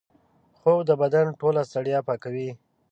خوب د بدن ټوله ستړیا پاکوي